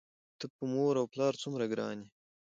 ته په مور و پلار څومره ګران یې؟!